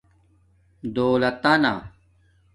دݸلتناہ